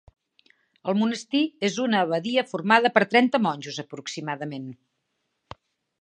El monestir és una abadia formada per trenta monjos aproximadament.